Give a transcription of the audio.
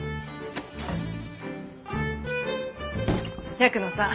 百野さん